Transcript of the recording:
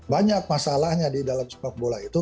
banyak masalahnya di dalam sepak bola itu